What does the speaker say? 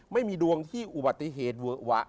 ไม่มีดวงที่อุบัติเหตุเวอะวะ